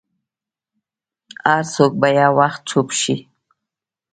هر څوک به یو وخت چوپ شي.